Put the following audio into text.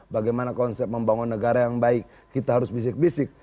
bagaimana konsep membangun negara yang baik kita harus bisik bisik